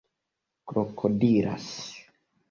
krokodilas